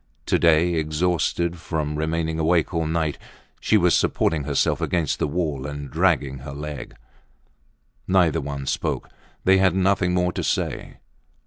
To day, exhausted from remaining awake all night, she was supporting herself against the wall and dragging her leg. Neither one spoke, they had nothing more to say.